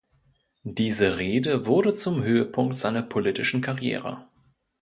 Diese Rede wurde zum Höhepunkt seiner politischen Karriere.